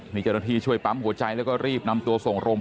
มีเจราะพี่ช่วยปั๊มหัวใจและรีบนำตัวส่ง